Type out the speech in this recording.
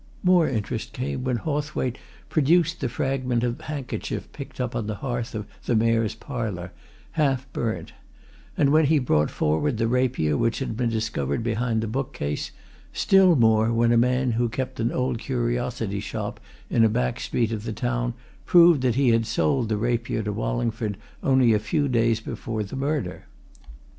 More interest came when Hawthwaite produced the fragment of handkerchief picked up on the hearth of the Mayor's Parlour, half burnt; and when he brought forward the rapier which had been discovered behind the bookcase; still more when a man who kept an old curiosity shop in a back street of the town proved that he had sold the rapier to Wallingford only a few days before the murder.